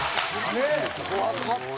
怖かった。